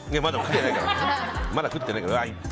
まだ食ってないよ。